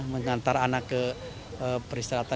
mengantar anak ke peristirahatan